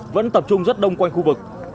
vẫn tập trung rất đông quanh khu vực